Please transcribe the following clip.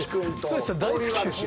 剛さん大好きです。